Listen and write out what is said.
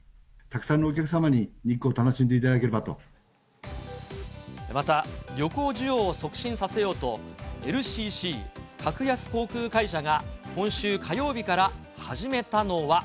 たくさんのお客様に、また、旅行需要を促進させようと、ＬＣＣ・格安航空会社が今週火曜日から始めたのは。